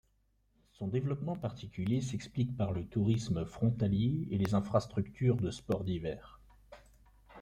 Son développement particulier s'explique par le tourisme frontalier et les infrastructures de sports d'hiver.